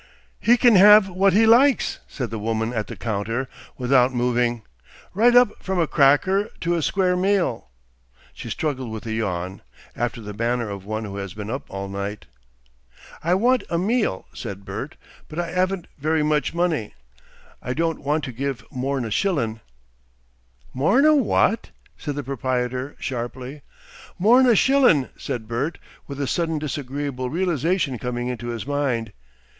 "He kin have what he likes?" said the woman at the counter, without moving, "right up from a cracker to a square meal." She struggled with a yawn, after the manner of one who has been up all night. "I want a meal," said Bert, "but I 'aven't very much money. I don' want to give mor'n a shillin'." "Mor'n a WHAT?" said the proprietor, sharply. "Mor'n a shillin'," said Bert, with a sudden disagreeable realisation coming into his mind.